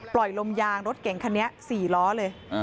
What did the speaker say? ปล่อยลมยางรถเก่งขาแนี๊ะ๔ล้อเลย